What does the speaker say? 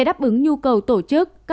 đáp ứng nhu cầu tổ chức